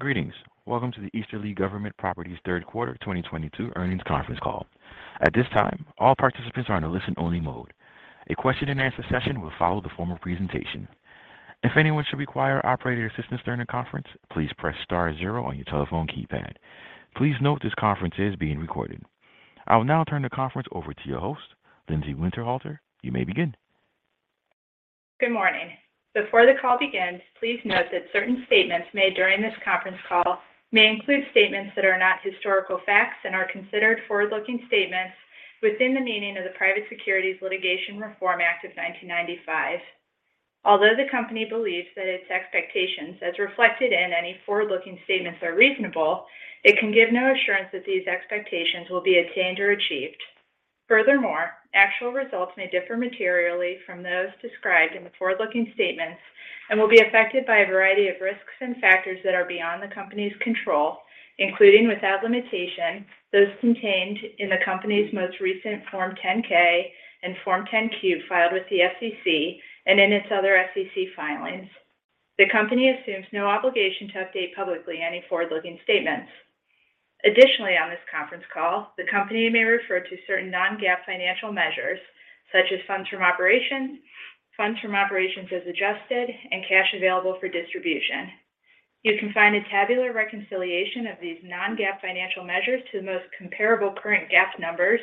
Greetings. Welcome to the Easterly Government Properties third quarter 2022 earnings conference call. At this time, all participants are in a listen-only mode. A question-and-answer session will follow the formal presentation. If anyone should require operator assistance during the conference, please press star zero on your telephone keypad. Please note this conference is being recorded. I will now turn the conference over to your host, Lindsay Winterhalter. You may begin. Good morning. Before the call begins, please note that certain statements made during this conference call may include statements that are not historical facts and are considered forward-looking statements within the meaning of the Private Securities Litigation Reform Act of 1995. Although the company believes that its expectations as reflected in any forward-looking statements are reasonable, it can give no assurance that these expectations will be attained or achieved. Furthermore, actual results may differ materially from those described in the forward-looking statements and will be affected by a variety of risks and factors that are beyond the company's control including, without limitation, those contained in the company's most recent Form 10-K and Form 10-Q filed with the SEC and in its other SEC filings. The company assumes no obligation to update publicly any forward-looking statements. Additionally, on this conference call, the company may refer to certain non-GAAP financial measures, such as funds from operations, funds from operations as adjusted, and cash available for distribution. You can find a tabular reconciliation of these non-GAAP financial measures to the most comparable current GAAP numbers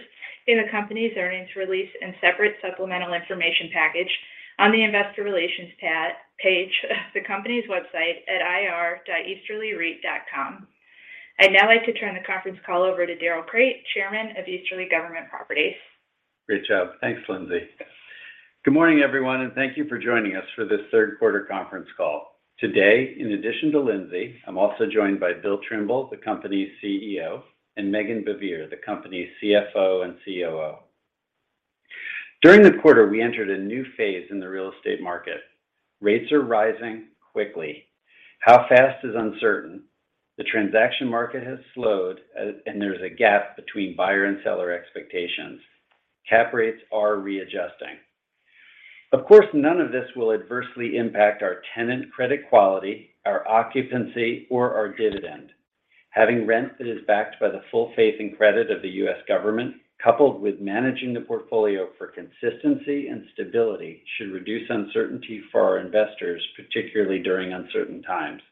in the company's earnings release and separate supplemental information package on the investor relations page of the company's website at ir.easterlyreit.com. I'd now like to turn the conference call over to Darrell Crate, Chairman of Easterly Government Properties. Great job. Thanks, Lindsay. Good morning, everyone, and thank you for joining us for this third quarter conference call. Today, in addition to Lindsay, I'm also joined by Bill Trimble, the company's CEO, and Meghan Baivier, the company's CFO and COO. During the quarter, we entered a new phase in the real estate market. Rates are rising quickly. How fast is uncertain. The transaction market has slowed, and there's a gap between buyer and seller expectations. Cap rates are readjusting. Of course, none of this will adversely impact our tenant credit quality, our occupancy, or our dividend. Having rent that is backed by the full faith and credit of the U.S. government, coupled with managing the portfolio for consistency and stability should reduce uncertainty for our investors, particularly during uncertain times.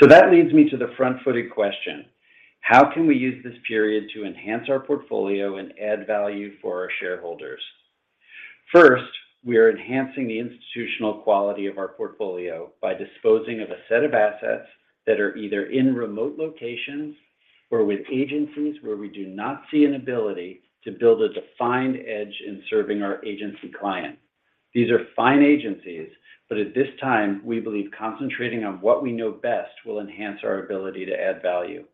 That leads me to the front-footed question: How can we use this period to enhance our portfolio and add value for our shareholders? First, we are enhancing the institutional quality of our portfolio by disposing of a set of assets that are either in remote locations or with agencies where we do not see an ability to build a defined edge in serving our agency client. These are fine agencies, but at this time, we believe concentrating on what we know best will enhance our ability to add value.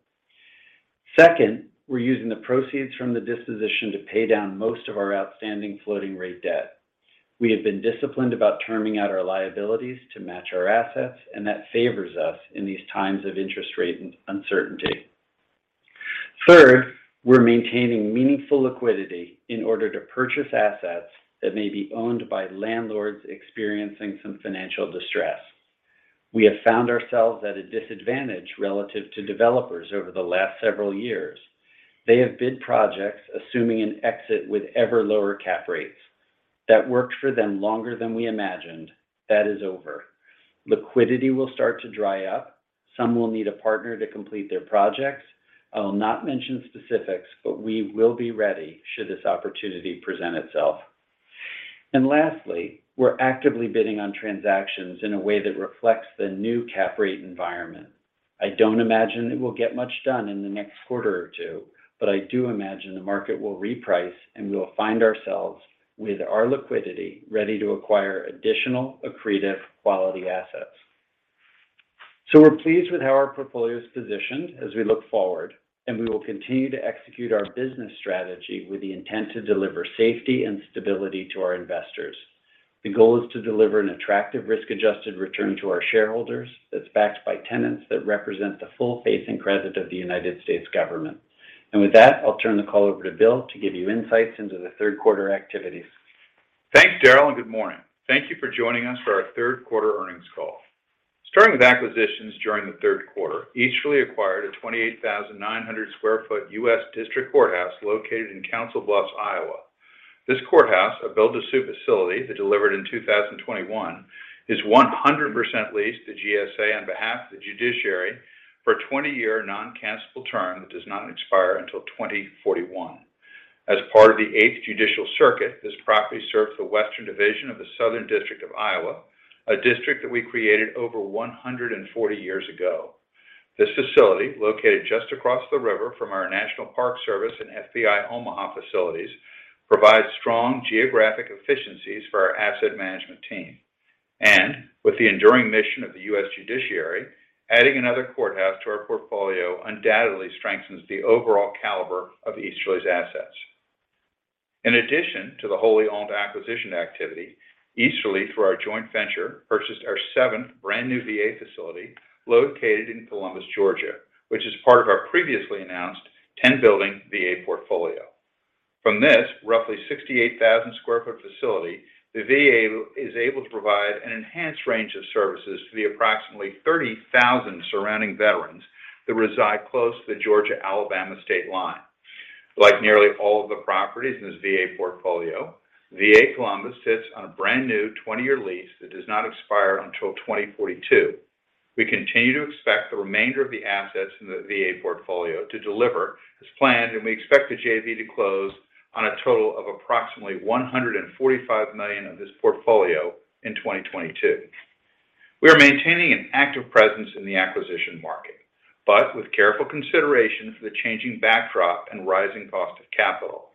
Second, we're using the proceeds from the disposition to pay down most of our outstanding floating rate debt. We have been disciplined about terming out our liabilities to match our assets, and that favors us in these times of interest rate and uncertainty. Third, we're maintaining meaningful liquidity in order to purchase assets that may be owned by landlords experiencing some financial distress. We have found ourselves at a disadvantage relative to developers over the last several years. They have bid projects assuming an exit with ever lower cap rates. That worked for them longer than we imagined. That is over. Liquidity will start to dry up. Some will need a partner to complete their projects. I will not mention specifics, but we will be ready should this opportunity present itself. Lastly, we're actively bidding on transactions in a way that reflects the new cap rate environment. I don't imagine it will get much done in the next quarter or two, but I do imagine the market will reprice, and we will find ourselves with our liquidity ready to acquire additional accretive quality assets. We're pleased with how our portfolio is positioned as we look forward, and we will continue to execute our business strategy with the intent to deliver safety and stability to our investors. The goal is to deliver an attractive risk-adjusted return to our shareholders that's backed by tenants that represent the full faith and credit of the United States government. With that, I'll turn the call over to Bill to give you insights into the third quarter activities. Thanks, Darrell, and good morning. Thank you for joining us for our third quarter earnings call. Starting with acquisitions during the third quarter, Easterly acquired a 28,900 sq ft U.S. district courthouse located in Council Bluffs, Iowa. This courthouse, a build-to-suit facility delivered in 2021, is 100% leased to GSA on behalf of the judiciary for a 20-year non-cancelable term that does not expire until 2041. As part of the eighth Judicial Circuit, this property serves the Western Division of the Southern District of Iowa, a district that we created over 140 years ago. This facility, located just across the river from our National Park Service and FBI Omaha facilities, provides strong geographic efficiencies for our asset management team. With the enduring mission of the U.S. judiciary, adding another courthouse to our portfolio undoubtedly strengthens the overall caliber of Easterly's assets. In addition to the wholly owned acquisition activity, Easterly, through our joint venture, purchased our seventh brand new VA facility located in Columbus, Georgia, which is part of our previously announced 10-building VA portfolio. From this roughly 68,000 sq ft facility, the VA is able to provide an enhanced range of services to the approximately 30,000 surrounding veterans that reside close to the Georgia Alabama state line. Like nearly all of the properties in this VA portfolio, VA Columbus sits on a brand new 20-year lease that does not expire until 2042. We continue to expect the remainder of the assets in the VA portfolio to deliver as planned, and we expect the JV to close on a total of approximately $145 million of this portfolio in 2022. We are maintaining an active presence in the acquisition market, but with careful consideration for the changing backdrop and rising cost of capital.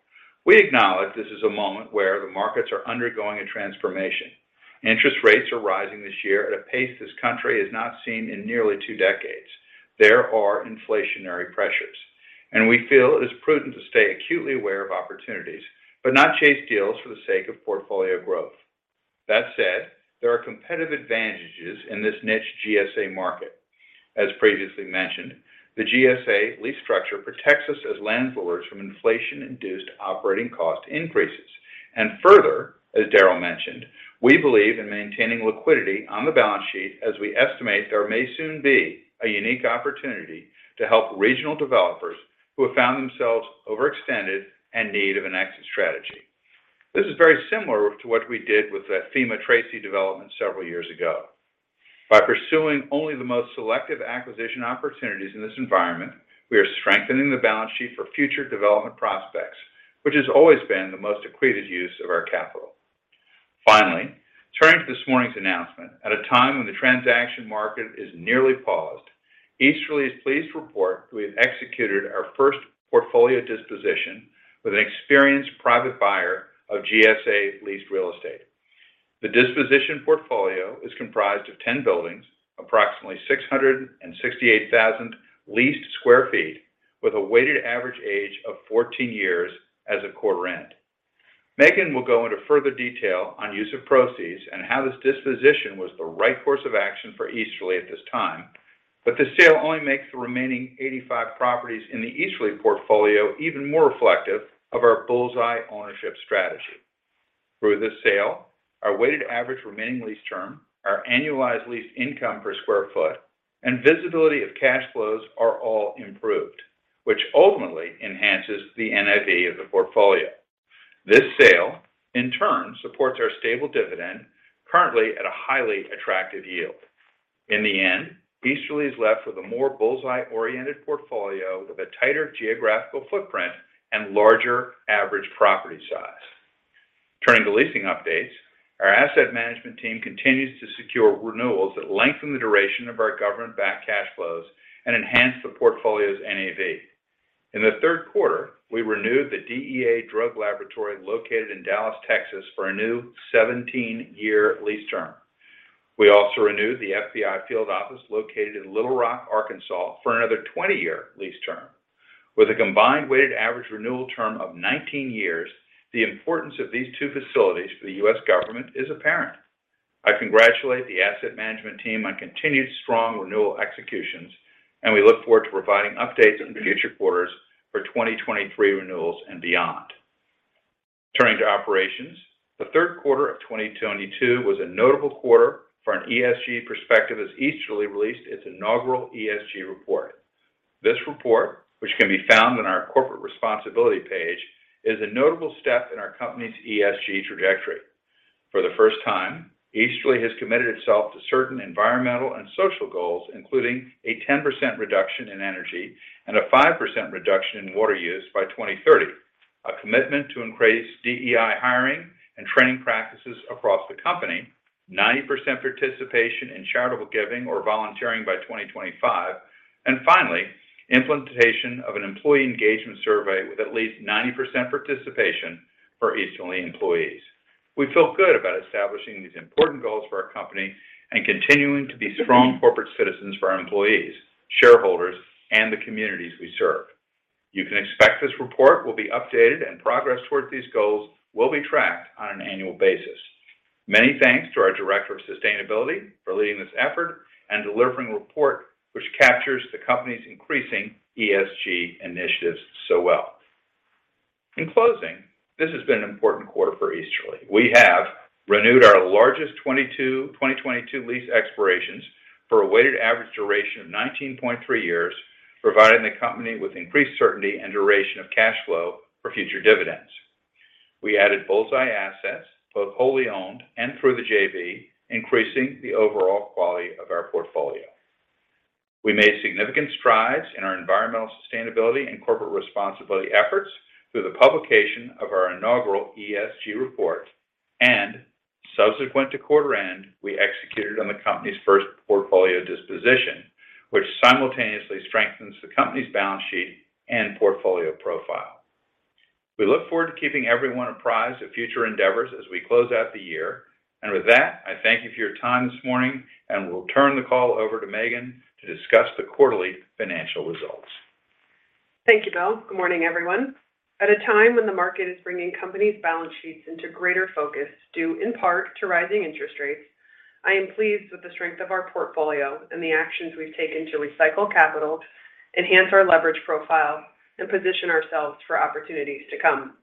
We acknowledge this is a moment where the markets are undergoing a transformation. Interest rates are rising this year at a pace this country has not seen in nearly two decades. There are inflationary pressures, and we feel it is prudent to stay acutely aware of opportunities but not chase deals for the sake of portfolio growth. That said, there are competitive advantages in this niche GSA market. As previously mentioned, the GSA lease structure protects us as landlords from inflation-induced operating cost increases. Further, as Darrell mentioned, we believe in maintaining liquidity on the balance sheet as we estimate there may soon be a unique opportunity to help regional developers who have found themselves overextended and need of an exit strategy. This is very similar to what we did with that FEMA Tracy development several years ago. By pursuing only the most selective acquisition opportunities in this environment, we are strengthening the balance sheet for future development prospects, which has always been the most accretive use of our capital. Finally, turning to this morning's announcement. At a time when the transaction market is nearly paused, Easterly is pleased to report we have executed our first portfolio disposition with an experienced private buyer of GSA leased real estate. The disposition portfolio is comprised of 10 buildings, approximately 668,000 leased sq ft, with a weighted average age of 14 years as of quarter end. Meghan will go into further detail on use of proceeds and how this disposition was the right course of action for Easterly at this time. This sale only makes the remaining 85 properties in the Easterly portfolio even more reflective of our bull's-eye ownership strategy. Through this sale, our weighted average remaining lease term, our annualized lease income per square foot, and visibility of cash flows are all improved, which ultimately enhances the NAV of the portfolio. This sale, in turn, supports our stable dividend currently at a highly attractive yield. In the end, Easterly is left with a more bull's-eye-oriented portfolio with a tighter geographical footprint and larger average property size. Turning to leasing updates. Our asset management team continues to secure renewals that lengthen the duration of our government backed cash flows and enhance the portfolio's NAV. In the third quarter, we renewed the DEA drug laboratory located in Dallas, Texas, for a new 17-year lease term. We also renewed the FBI field office located in Little Rock, Arkansas, for another 20-year lease term. With a combined weighted average renewal term of 19 years, the importance of these two facilities for the U.S. government is apparent. I congratulate the asset management team on continued strong renewal executions, and we look forward to providing updates in future quarters for 2023 renewals and beyond. Turning to operations. The third quarter of 2022 was a notable quarter from an ESG perspective as Easterly released its inaugural ESG report. This report, which can be found on our corporate responsibility page, is a notable step in our company's ESG trajectory. For the first time, Easterly has committed itself to certain environmental and social goals, including a 10% reduction in energy and a 5% reduction in water use by 2030. A commitment to increase DEI hiring and training practices across the company. 90% participation in charitable giving or volunteering by 2025. Finally, implementation of an employee engagement survey with at least 90 participation for Easterly employees. We feel good about establishing these important goals for our company and continuing to be strong corporate citizens for our employees, shareholders, and the communities we serve. You can expect this report will be updated, and progress towards these goals will be tracked on an annual basis. Many thanks to our director of sustainability for leading this effort and delivering a report which captures the company's increasing ESG initiatives so well. In closing, this has been an important quarter for Easterly. We have renewed our largest 22 2022 lease expirations for a weighted average duration of 19.3 years, providing the company with increased certainty and duration of cash flow for future dividends. We added bull's-eye assets, both wholly owned and through the JV, increasing the overall quality of our portfolio. We made significant strides in our environmental sustainability and corporate responsibility efforts through the publication of our inaugural ESG report, and subsequent to quarter end, we executed on the company's first portfolio disposition, which simultaneously strengthens the company's balance sheet and portfolio profile. We look forward to keeping everyone apprised of future endeavors as we close out the year. With that, I thank you for your time this morning, and we'll turn the call over to Meghan to discuss the quarterly financial results. Thank you, Bill. Good morning, everyone. At a time when the market is bringing companies' balance sheets into greater focus, due in part to rising interest rates. I am pleased with the strength of our portfolio and the actions we've taken to recycle capital, enhance our leverage profile, and position ourselves for opportunities to come.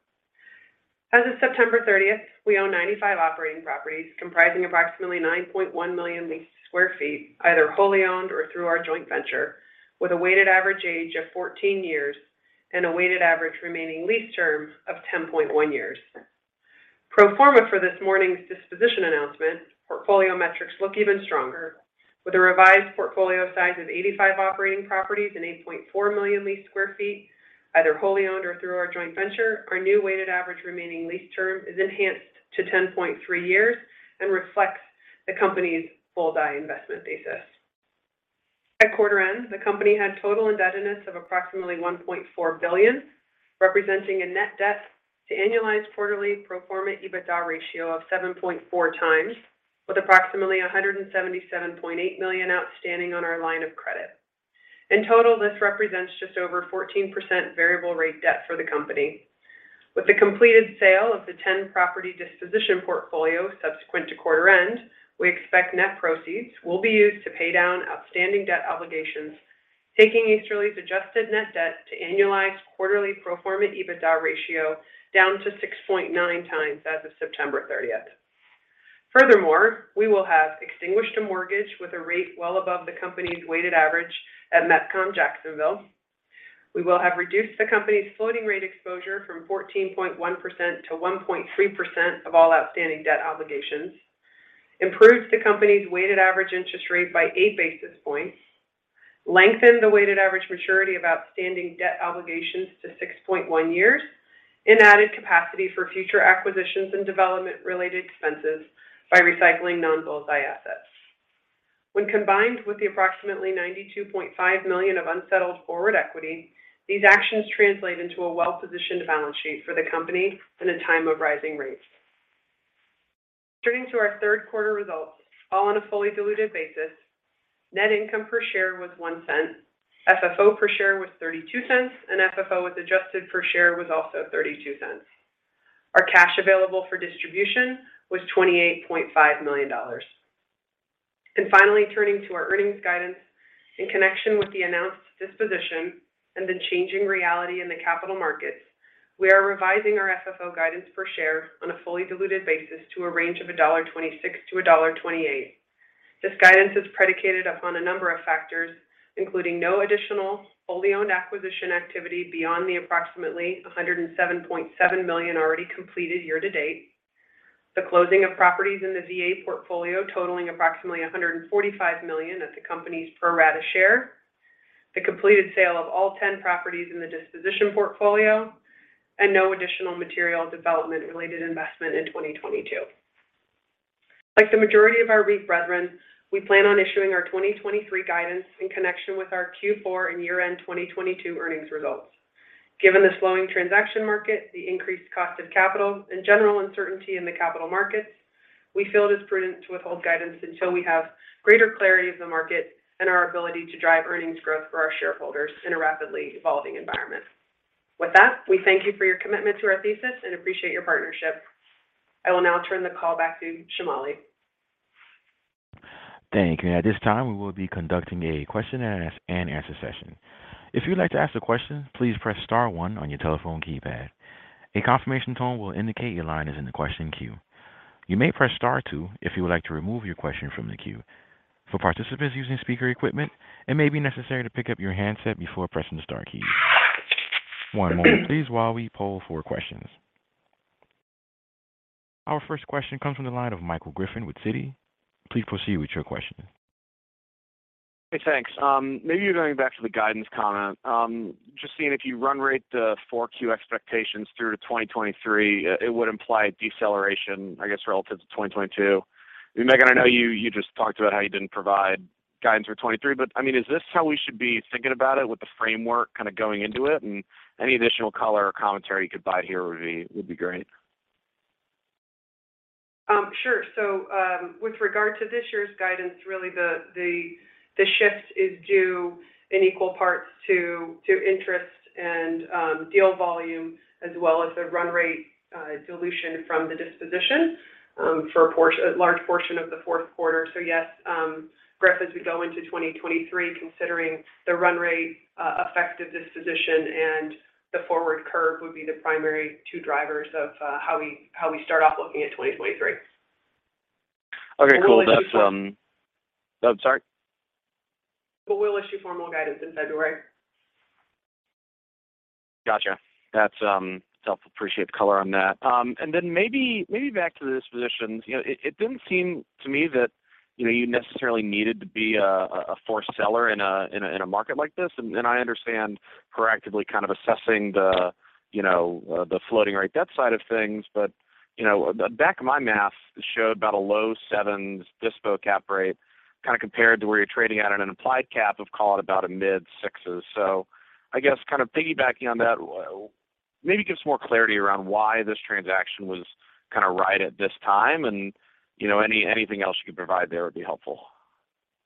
As of September 30, we own 95 operating properties comprising approximately 9.1 million leased sq ft, either wholly owned or through our joint venture, with a weighted average age of 14 years and a weighted average remaining lease term of 10.1 years. Pro forma for this morning's disposition announcement, portfolio metrics look even stronger. With a revised portfolio size of 85 operating properties and 8.4 million leased sq ft, either wholly owned or through our joint venture, our new weighted average remaining lease term is enhanced to 10.3 years and reflects the company's full DEI investment thesis. At quarter end, the company had total indebtedness of approximately $1.4 billion, representing a net debt to annualized quarterly pro forma EBITDA ratio of 7.4x, with approximately $177.8 million outstanding on our line of credit. In total, this represents just over 14% variable rate debt for the company. With the completed sale of the 10-property disposition portfolio subsequent to quarter end, we expect net proceeds will be used to pay down outstanding debt obligations, taking Easterly's adjusted net debt to annualized quarterly pro forma EBITDA ratio down to 6.9x as of September thirtieth. Furthermore, we will have extinguished a mortgage with a rate well above the company's weighted average at MEPCOM Jacksonville. We will have reduced the company's floating rate exposure from 14.1%-1.3% of all outstanding debt obligations, improved the company's weighted average interest rate by eight basis points, lengthened the weighted average maturity of outstanding debt obligations to 6.1 years, and added capacity for future acquisitions and development related expenses by recycling non-bull's-eye assets. When combined with the approximately $92.5 million of unsettled forward equity, these actions translate into a well-positioned balance sheet for the company in a time of rising rates. Turning to our third quarter results, all on a fully diluted basis, net income per share was $0.01, FFO per share was $0.32, and adjusted FFO per share was also $0.32. Our cash available for distribution was $28.5 million. Finally, turning to our earnings guidance, in connection with the announced disposition and the changing reality in the capital markets, we are revising our FFO guidance per share on a fully diluted basis to a range of $1.26-$1.28. This guidance is predicated upon a number of factors, including no additional wholly owned acquisition activity beyond the approximately $107.7 million already completed year-to-date, the closing of properties in the VA portfolio totaling approximately $145 million at the company's pro rata share, the completed sale of all 10 properties in the disposition portfolio, and no additional material development related investment in 2022. Like the majority of our REIT brethren, we plan on issuing our 2023 guidance in connection with our Q4 and year-end 2022 earnings results. Given the slowing transaction market, the increased cost of capital, and general uncertainty in the capital markets, we feel it is prudent to withhold guidance until we have greater clarity of the market and our ability to drive earnings growth for our shareholders in a rapidly evolving environment. With that, we thank you for your commitment to our thesis and appreciate your partnership. I will now turn the call back to Shamali. Thank you. At this time, we will be conducting a question-and-answer session. If you'd like to ask a question, please press star one on your telephone keypad. A confirmation tone will indicate your line is in the question queue. You may press star two if you would like to remove your question from the queue. For participants using speaker equipment, it may be necessary to pick up your handset before pressing the star key. One moment please while we poll for questions. Our first question comes from the line of Michael Griffin with Citi. Please proceed with your question. Hey, thanks. Maybe going back to the guidance comment. Just seeing if you run rate the 4Q expectations through to 2023, it would imply deceleration, I guess, relative to 2022. Meghan, I know you just talked about how you didn't provide guidance for 2023, but, I mean, is this how we should be thinking about it with the framework kind of going into it? Any additional color or commentary you could provide here would be great. Sure. With regard to this year's guidance, really the shift is due in equal parts to interest and deal volume as well as the run rate dilution from the disposition for a large portion of the fourth quarter. Yes, going forward as we go into 2023, considering the run rate effect of disposition and the forward curve would be the primary two drivers of how we start off looking at 2023. Okay, cool. That's. We'll issue formal. I'm sorry? We'll issue formal guidance in February. Gotcha. That's I appreciate the color on that. Then maybe back to the dispositions. You know, it didn't seem to me that, you know, you necessarily needed to be a forced seller in a market like this. I understand proactively kind of assessing the, you know, the floating rate debt side of things. You know, the back of my math showed about a low sevens dispo cap rate, kind of compared to where you're trading at on an implied cap of call it about a mid sixes. I guess kind of piggybacking on that, maybe give us more clarity around why this transaction was kind of right at this time and, you know, anything else you could provide there would be helpful.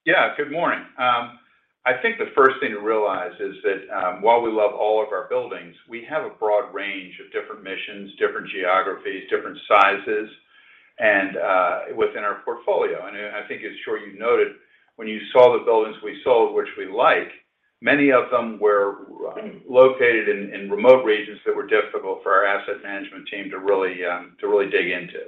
Yeah. Good morning. I think the first thing to realize is that, while we love all of our buildings, we have a broad range of different missions, different geographies, different sizes, and within our portfolio. I think I'm sure you noted when you saw the buildings we sold, which we like, many of them were located in remote regions that were difficult for our asset management team to really dig into.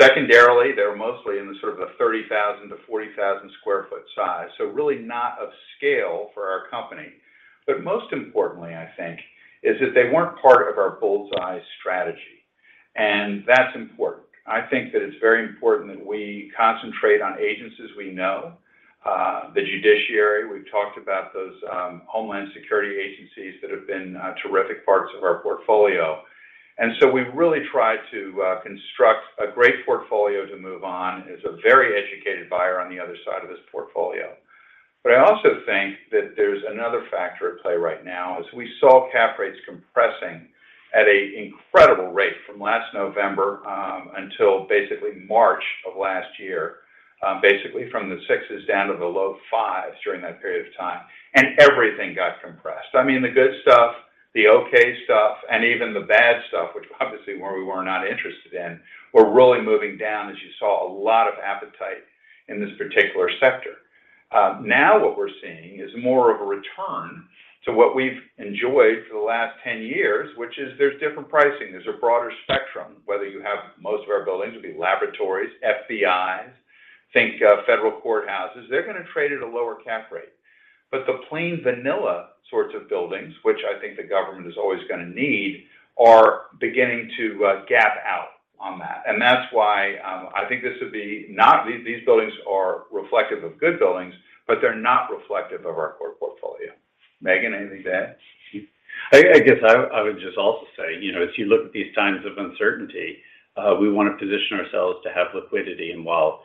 Secondarily, they were mostly in the sort of the 30,000-40,000 sq ft size, so really not of scale for our company. Most importantly, I think is that they weren't part of our bull's-eye strategy. That's important. I think that it's very important that we concentrate on agencies we know, the judiciary. We've talked about those, homeland security agencies that have been, terrific parts of our portfolio. We've really tried to construct a great portfolio to move on as a very educated buyer on the other side of this portfolio. I also think that there's another factor at play right now, is we saw cap rates compressing at an incredible rate from last November, until basically March of last year. Basically from the sixes down to the low fives during that period of time. Everything got compressed. I mean, the good stuff, the okay stuff, and even the bad stuff, which obviously we were not interested in, were really moving down as you saw a lot of appetite in this particular sector. Now what we're seeing is more of a return to what we've enjoyed for the last 10 years, which is there's different pricing. There's a broader spectrum, whether you have most of our buildings would be laboratories, FBI's, think of federal courthouses. They're gonna trade at a lower cap rate. But the plain vanilla sorts of buildings, which I think the government is always gonna need, are beginning to gap out on that. That's why these buildings are reflective of good buildings, but they're not reflective of our core portfolio. Meghan, anything to add? I guess I would just also say, you know, as you look at these times of uncertainty, we wanna position ourselves to have liquidity. While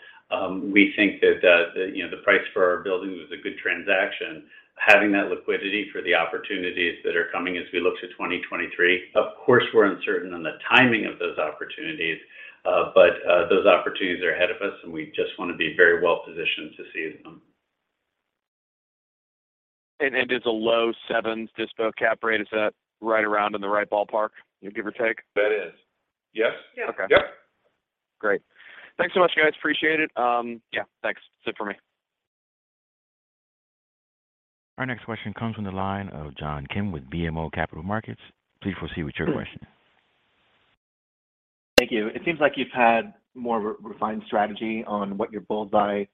we think that you know, the price for our building was a good transaction, having that liquidity for the opportunities that are coming as we look to 2023, of course, we're uncertain on the timing of those opportunities. Those opportunities are ahead of us, and we just wanna be very well positioned to seize them. Is a low sevens dispo cap rate, is that right around in the right ballpark, give or take? That is. Yes. Yes. Yep. Great. Thanks so much, guys. Appreciate it. Yeah, thanks. That's it for me. Our next question comes from the line of John Kim with BMO Capital Markets. Please proceed with your question. Thank you. It seems like you've had more of a refined strategy on what your bull's-eye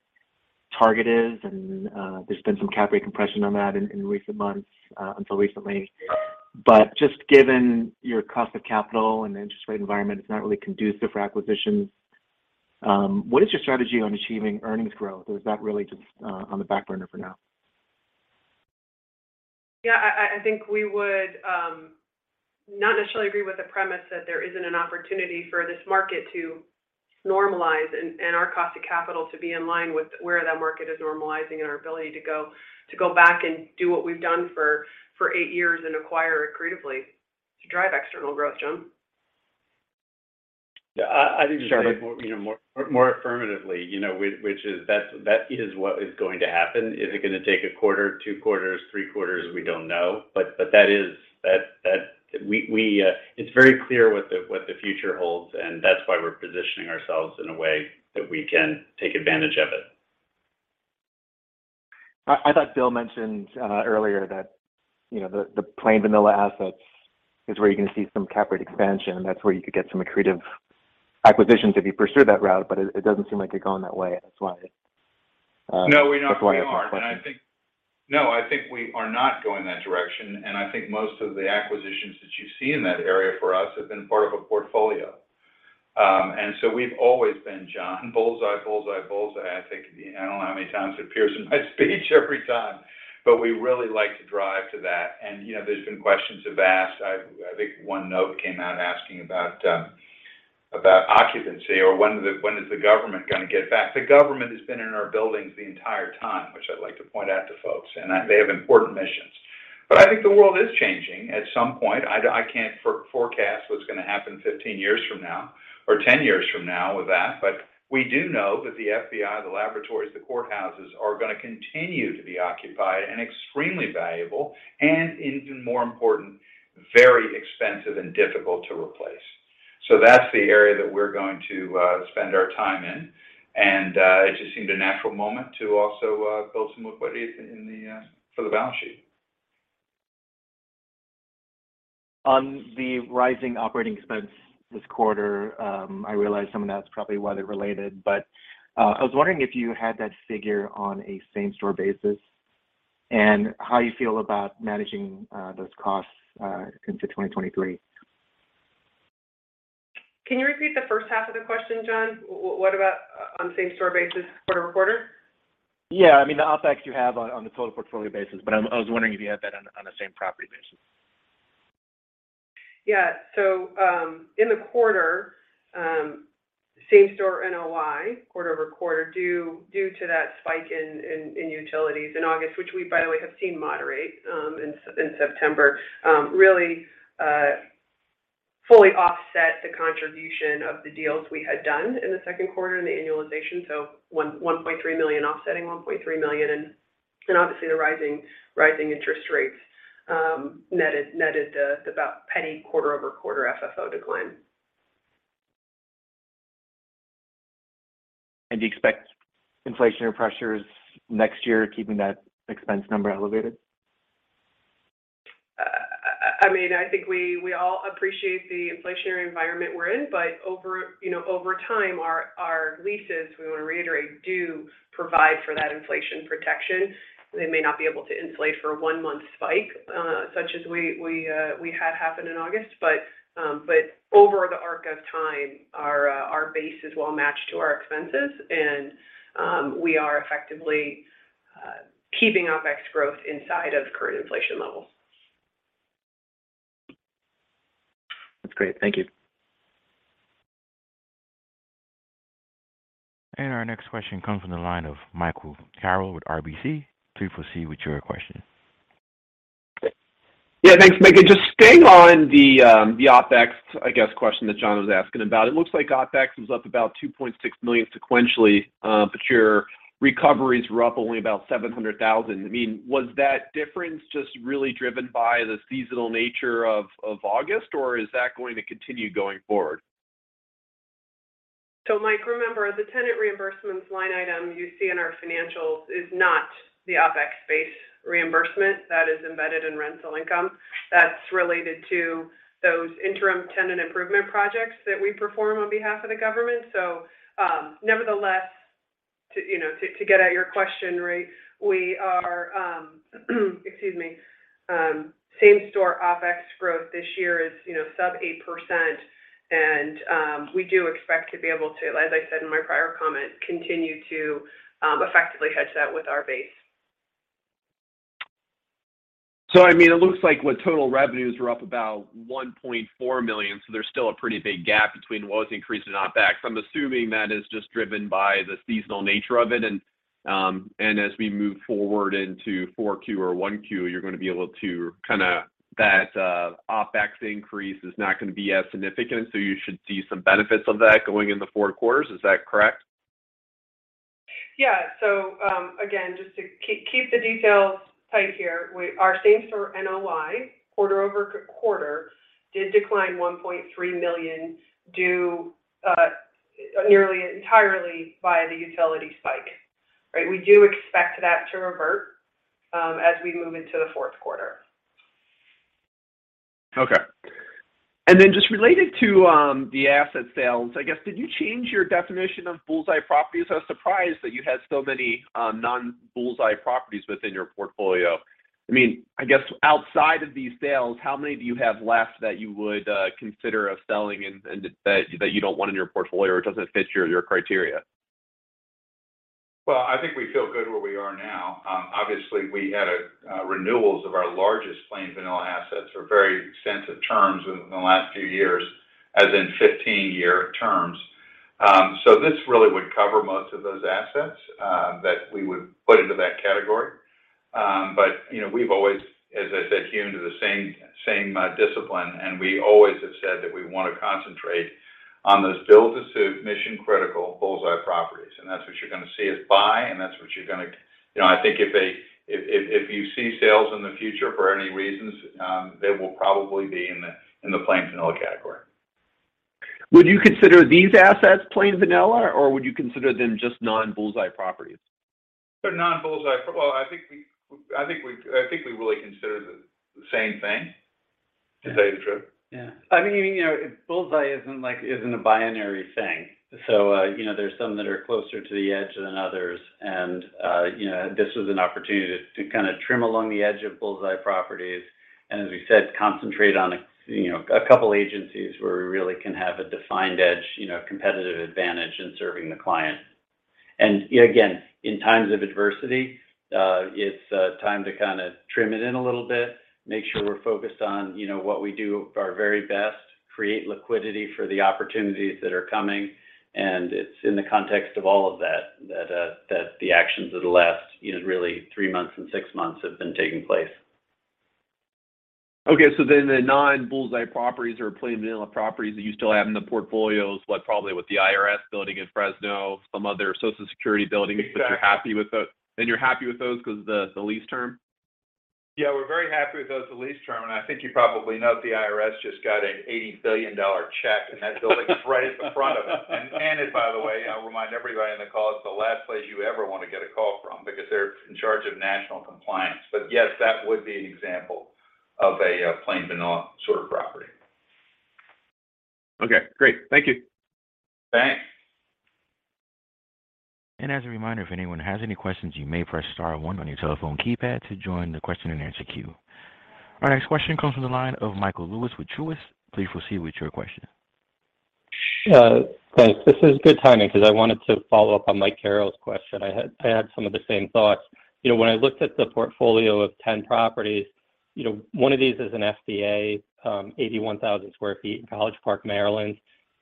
target is, and there's been some cap rate compression on that in recent months until recently. Just given your cost of capital and interest rate environment, it's not really conducive for acquisitions. What is your strategy on achieving earnings growth? Or is that really just on the back burner for now? Yeah, I think we would not necessarily agree with the premise that there isn't an opportunity for this market to normalize and our cost of capital to be in line with where that market is normalizing and our ability to go back and do what we've done for eight years and acquire accretively to drive external growth. John? Yeah. I think to say it more, you know, affirmatively, you know, which is that is what is going to happen. Is it gonna take a quarter, two quarters, three quarters? We don't know. But that is. It's very clear what the future holds, and that's why we're positioning ourselves in a way that we can take advantage of it. I thought Bill mentioned earlier that, you know, the plain vanilla assets is where you're gonna see some cap rate expansion, and that's where you could get some accretive acquisitions if you pursue that route. But it doesn't seem like you're going that way. That's why. No, we're not. That's why I asked the question. We aren't. No, I think we are not going that direction. I think most of the acquisitions that you see in that area for us have been part of a portfolio. We've always been, John, bull's-eye. I think I don't know how many times it appears in my speech every time, but we really like to drive to that. You know, there's been questions have asked. I think one note came out asking about occupancy or when is the government gonna get back? The government has been in our buildings the entire time, which I'd like to point out to folks, they have important missions. I think the world is changing at some point. I can't forecast what's gonna happen 15 years from now or 10 years from now with that. We do know that the FBI, the laboratories, the courthouses are gonna continue to be occupied and extremely valuable and even more important, very expensive and difficult to replace. That's the area that we're going to spend our time in. It just seemed a natural moment to also build some liquidity for the balance sheet. On the rising operating expense this quarter, I realize some of that's probably weather-related, but I was wondering if you had that figure on a same-store basis and how you feel about managing those costs into 2023. Can you repeat the first half of the question, John? What about on same-store basis quarter-over-quarter? Yeah. I mean, the OpEx you have on the total portfolio basis, but I was wondering if you had that on a same property basis. Yeah. In the quarter, same store NOI quarter-over-quarter due to that spike in utilities in August, which we by the way have seen moderate in September, really fully offset the contribution of the deals we had done in the second quarter and the annualization. $1.3 million offsetting $1.3 million. Obviously the rising interest rates netted the about a penny quarter-over-quarter FFO decline. Do you expect inflationary pressures next year keeping that expense number elevated? I mean, I think we all appreciate the inflationary environment we're in, but over, you know, over time, our leases, we want to reiterate, do provide for that inflation protection. They may not be able to inflate for a one-month spike, such as we had in August. Over the arc of time, our base is well matched to our expenses and we are effectively keeping OpEx growth inside of current inflation levels. That's great. Thank you. Our next question comes from the line of Michael Carroll with RBC. Please proceed with your question. Yeah, thanks, Meghan. Just staying on the OpEx, I guess, question that John was asking about. It looks like OpEx was up about $2.6 million sequentially, but your recoveries were up only about $700 thousand. I mean, was that difference just really driven by the seasonal nature of August, or is that going to continue going forward? Mike, remember the tenant reimbursements line item you see in our financials is not the OpEx-based reimbursement that is embedded in rental income. That's related to those interim tenant improvement projects that we perform on behalf of the government. Nevertheless, to get at your question right, we are, excuse me, same store OpEx growth this year is, you know, sub-8%. We do expect to be able to, as I said in my prior comment, continue to effectively hedge that with our base. I mean, it looks like total revenues were up about $1.4 million, so there's still a pretty big gap between what was increased in OpEx. I'm assuming that is just driven by the seasonal nature of it. As we move forward into 4Q or 1Q, you're going to be able to. That OpEx increase is not going to be as significant, so you should see some benefits of that going into fourth quarters. Is that correct? Again, just to keep the details tight here. Our same-store NOI quarter-over-quarter did decline $1.3 million due nearly entirely via the utility spike, right? We do expect that to revert as we move into the fourth quarter. Okay. Just related to the asset sales, I guess, did you change your definition of bull's-eye properties? I was surprised that you had so many non-bull's-eye properties within your portfolio. I mean, I guess outside of these sales, how many do you have left that you would consider selling and that you don't want in your portfolio, or it doesn't fit your criteria? Well, I think we feel good where we are now. Obviously we had renewals of our largest plain vanilla assets for very extensive terms in the last few years, as in 15-year terms. This really would cover most of those assets that we would put into that category. You know, we've always, as I said, hewn to the same discipline and we always have said that we want to concentrate on those built-to-suit mission-critical bull's-eye properties. That's what you're gonna see us buy, and that's what you're gonna. You know, I think if you see sales in the future for any reasons, they will probably be in the plain vanilla category. Would you consider these assets plain vanilla, or would you consider them just non-bull's-eye properties? Well, I think we really consider them the same thing, to tell you the truth. Yeah. I mean, you know, bull's-eye isn't like, isn't a binary thing. You know, there's some that are closer to the edge than others and, you know, this was an opportunity to kind of trim along the edge of bull's-eye properties and as we said, concentrate on a, you know, a couple agencies where we really can have a defined edge, you know, competitive advantage in serving the client. In times of adversity, it's time to kind of trim it in a little bit, make sure we're focused on, you know, what we do our very best, create liquidity for the opportunities that are coming. It's in the context of all of that that the actions of the last, you know, really three months and six months have been taking place. The non-bull's-eye properties or plain vanilla properties that you still have in the portfolios, like probably with the IRS building in Fresno, some other Social Security buildings. Exactly. You're happy with those because the lease term? Yeah, we're very happy with those, the lease term, and I think you probably noted the IRS just got an $80 billion check, and that building is right in front of them. It, by the way, I'll remind everybody on the call, it's the last place you ever want to get a call from because they're in charge of national compliance. Yes, that would be an example of a plain vanilla sort of property. Okay, great. Thank you. Thanks. As a reminder, if anyone has any questions, you may press star one on your telephone keypad to join the question-and-answer queue. Our next question comes from the line of Michael Lewis with Truist. Please proceed with your question. Thanks. This is good timing because I wanted to follow up on Mike Carroll's question. I had some of the same thoughts. You know, when I looked at the portfolio of 10 properties, you know, one of these is an FDA 81,000 sq ft in College Park, Maryland.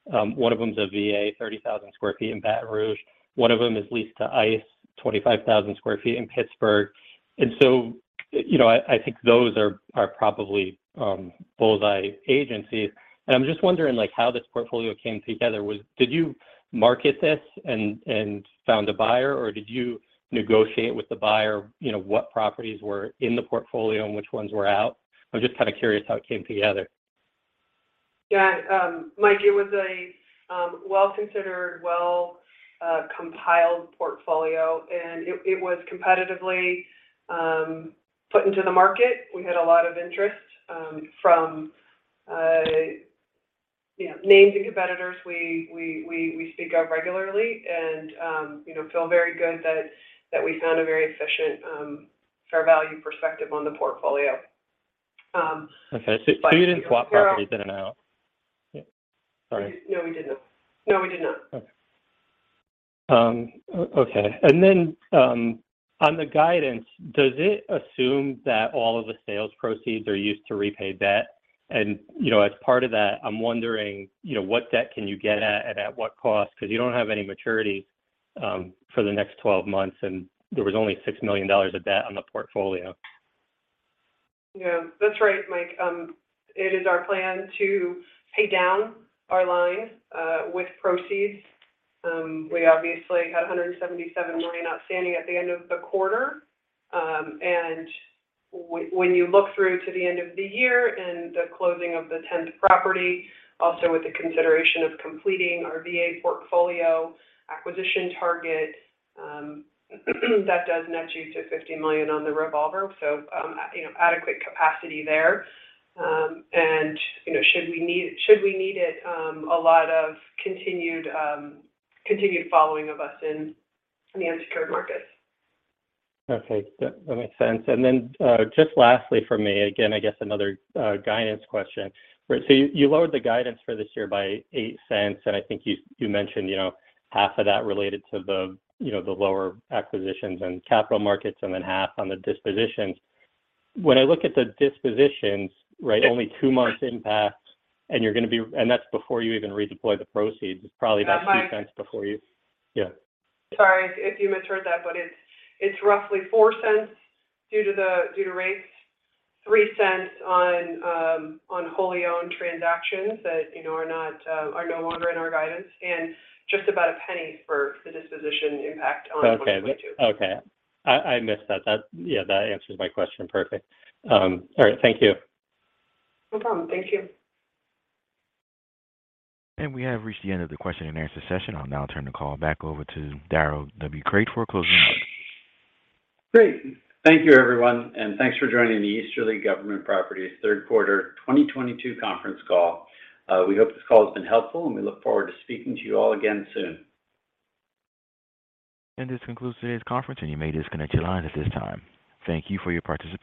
One of them is a VA 30,000 sq ft in Baton Rouge. One of them is leased to ICE 25,000 sq ft in Pittsburgh. You know, I think those are probably bull's-eye agencies. I'm just wondering, like, how this portfolio came together. Did you market this and found a buyer, or did you negotiate with the buyer, you know, what properties were in the portfolio and which ones were out? I'm just kind of curious how it came together. Yeah. Mike, it was a well-considered, well-compiled portfolio, and it was competitively put into the market. We had a lot of interest from names and competitors we speak of regularly, and you know, feel very good that we found a very efficient, fair value perspective on the portfolio. You didn't swap properties in and out? Yeah. Sorry. No, we did not. Okay. On the guidance, does it assume that all of the sales proceeds are used to repay debt? You know, as part of that, I'm wondering, you know, what debt can you get at what cost? Because you don't have any maturities for the next 12 months, and there was only $6 million of debt on the portfolio. Yeah. That's right, Mike. It is our plan to pay down our line with proceeds. We obviously had $177 million outstanding at the end of the quarter. When you look through to the end of the year and the closing of the 10th property, also with the consideration of completing our VA portfolio acquisition target, that does net you to $50 million on the revolver, so you know, adequate capacity there. You know, should we need it, a lot of continued following of us in the unsecured markets. Okay. That makes sense. Just lastly from me, again, I guess another guidance question. Right, you lowered the guidance for this year by $0.08, and I think you mentioned, you know, half of that related to the, you know, the lower acquisitions and capital markets, and then half on the dispositions. When I look at the dispositions, right. Yes Only two months impact, and that's before you even redeploy the proceeds. It's probably about. Mike. Two cents before you. Yeah. Sorry if you misheard that, but it's roughly $0.04 due to rates, $0.03 on wholly owned transactions that you know are no longer in our guidance, and just about $0.01 for the disposition impact on 2022. Okay. I missed that. Yeah, that answers my question. Perfect. All right. Thank you. No problem. Thank you. We have reached the end of the question and answer session. I'll now turn the call back over to Darrell W. Crate for closing out. Great. Thank you, everyone, and thanks for joining the Easterly Government Properties third quarter 2022 conference call. We hope this call has been helpful, and we look forward to speaking to you all again soon. This concludes today's conference, and you may disconnect your lines at this time. Thank you for your participation.